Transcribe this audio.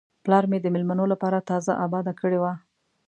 پلار مې د میلمنو لپاره تازه آباده کړې وه.